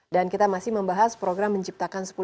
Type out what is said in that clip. dan kita masih membahas program menciptakan sepuluh pengusaha baru